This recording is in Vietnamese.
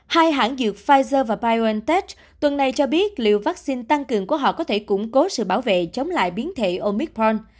hai hãng dược pfizer và biontech tuần này cho biết liệu vaccine tăng cường của họ có thể củng cố sự bảo vệ chống lại biến thể omicron